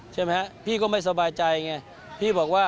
ใช่ไหมฮะพี่ก็ไม่สบายใจไงพี่บอกว่า